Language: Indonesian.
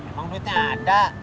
emang duitnya ada